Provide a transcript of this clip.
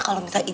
pak pak fah